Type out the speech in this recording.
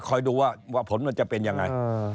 ดูว่าผลมันจะเป็นยังไง